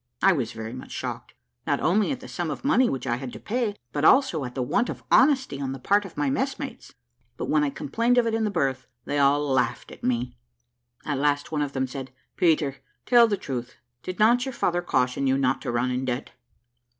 I was very much shocked, not only at the sum of money which I had to pay, but also at the want of honesty on the part of my messmates; but when I complained of it in the berth, they all laughed at me. At last one of them said, "Peter, tell the truth; did not your father caution you not to run in debt?"